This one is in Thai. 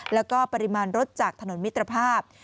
แล้วก็ปริมาณรถจากถนนมิตรภาพ